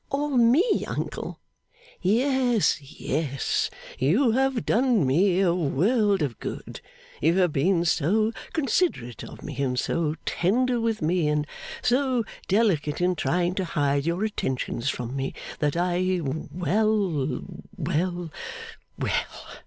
'All me, uncle!' 'Yes, yes. You have done me a world of good. You have been so considerate of me, and so tender with me, and so delicate in trying to hide your attentions from me, that I well, well, well!